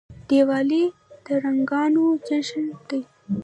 دیوالي د رڼاګانو جشن دی.